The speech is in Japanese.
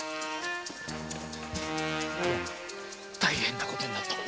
八重大変なことになった。